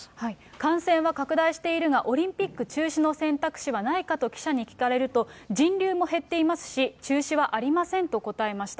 感染は拡大しているが、オリンピック中止の選択肢はないかと記者に聞かれると、人流も減っていますし、中止はありませんと答えました。